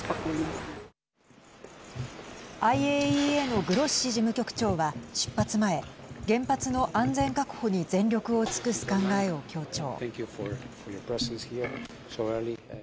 ＩＡＥＡのグロッシ事務局長は出発前原発の安全確保に全力を尽くす考えを強調。